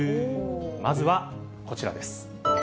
まずはこちらです。